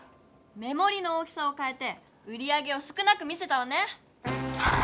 目もりの大きさをかえて売り上げを少なく見せたわね！